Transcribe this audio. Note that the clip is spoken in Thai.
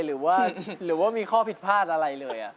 หรือว่ามีข้อผิดพลาดอะไรเลย